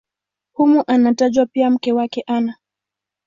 Humo anatajwa pia mke wake Ana.